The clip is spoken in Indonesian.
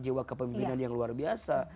jiwa kepemimpinan yang luar biasa